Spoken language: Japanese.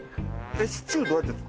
シチューどうやって作る？